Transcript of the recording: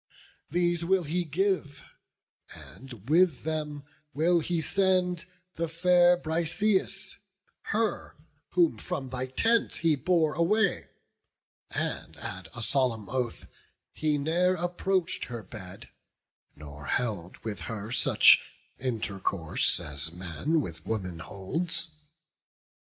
These will he give; and with them will he send The fair Briseis, her whom from thy tent He bore away; and add a solemn oath, He ne'er approach'd her bed, nor held with her Such intercourse as man with woman holds.